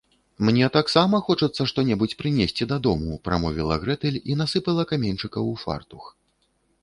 - Мне таксама хочацца што-небудзь прынесці дадому, - прамовіла Грэтэль і насыпала каменьчыкаў у фартух